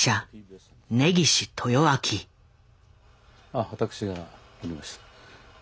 あ私がおりました。